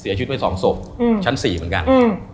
เสียชุดไว้สองศพชั้นสี่เหมือนกัน